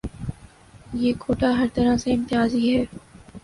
یہ کوٹہ ہرطرح سے امتیازی ہے۔